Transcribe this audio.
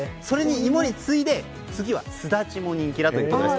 芋に次いでスダチが人気だということです。